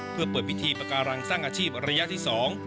เพื่อเปิดพิธีปากการังสร้างอาชีพระยะที่สอง